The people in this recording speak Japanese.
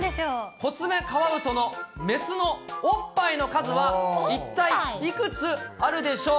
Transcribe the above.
コツメカワウソの雌のおっぱいの数は一体いくつあるでしょう。